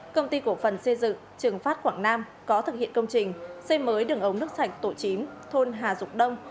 công ty cổ phần xây dựng trường phát quảng nam có thực hiện công trình xây mới đường ống nước sạch tổ chín thôn hà dục đông